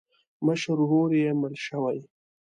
مشر ورور یې مړ شوی.